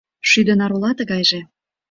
Шӱдӧ нар ола тыгайже!